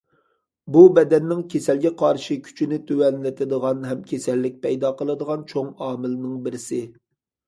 بۇ بەدەننىڭ كېسەلگە قارشى كۈچىنى تۆۋەنلىتىدىغان ھەم كېسەللىك پەيدا قىلىدىغان چوڭ ئامىلنىڭ بىرسى.